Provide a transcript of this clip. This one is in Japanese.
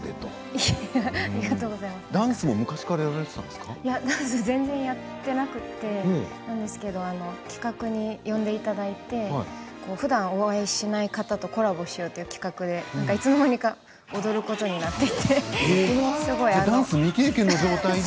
いや、ダンスは全然やっていなくてですけど企画で呼んでいただいてふだんお会いしない方としようという企画でいつの間にか踊ることになっていてダンス未経験の状態で？